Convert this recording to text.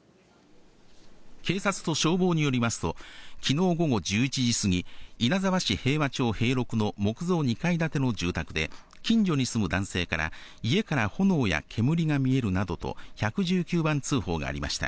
警察と消防によりますと昨日午後１１時過ぎ、稲沢市平和町平六の木造２階建ての住宅で近所に住む男性から家から炎や煙が見えるなどと、１１９番通報がありました。